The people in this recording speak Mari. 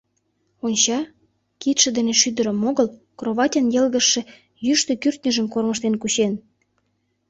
Онча, кидше дене шӱдырым огыл, кроватьын йылгыжше йӱштӧ кӱртньыжым кормыжтен кучен...